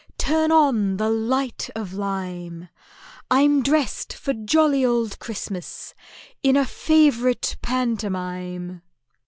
Turn on the light of lime— I'm dressed for jolly Old Christmas, in A favourite pantomime!"